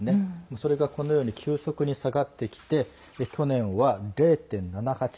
それが、急速に下がってきて去年は０．７８。